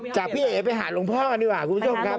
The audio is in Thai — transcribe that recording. จากพี่เอ๊กไปหาลูกพ่อกันดีกว่าครับครับคุณผู้ชมครับ